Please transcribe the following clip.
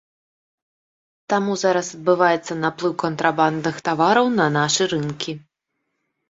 Таму зараз адбываецца наплыў кантрабандных тавараў на нашы рынкі.